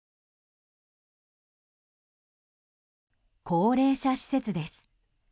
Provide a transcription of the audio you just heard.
高齢者施設です。